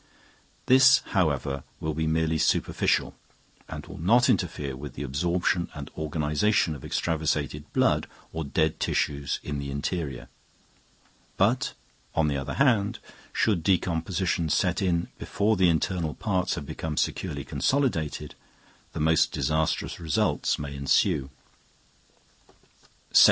This, however, will be merely superficial, and will not interfere with the absorption and organisation of extravasated blood or dead tissues in the interior. But, on the other hand, should decomposition set in before the internal parts have become securely consolidated, the most disastrous results may ensue.